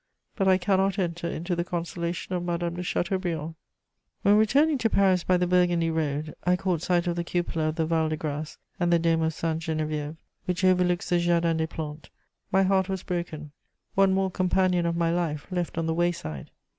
But I cannot enter into the consolation of Madame de Chateaubriand. * [Sidenote: My journey to the East.] When, returning to Paris by the Burgundy road, I caught sight of the cupola of the Val de Grâce and the dome of Sainte Geneviève, which overlooks the Jardin des Plantes, my heart was broken: one more companion of my life left on the wayside!